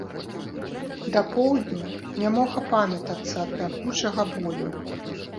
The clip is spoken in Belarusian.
Да поўдня не мог апамятацца ад пякучага болю.